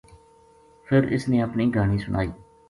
فِر اِس نے اپنی گھانی سنا ئی